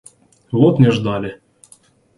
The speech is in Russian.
Вот не ждали!